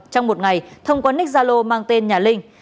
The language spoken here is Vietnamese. trong một ngày thông qua ních gia lô mang tên nhà linh